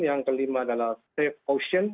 yang kelima adalah safe ocean